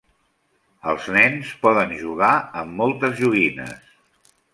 Els nens poden jugar amb moltes joguines.